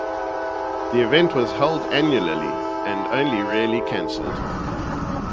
The event was held annually and only rarely cancelled.